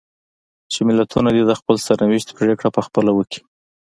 چې ملتونه دې د خپل سرنوشت پرېکړه په خپله وکړي.